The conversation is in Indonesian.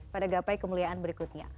pada gapai kemuliaan berikutnya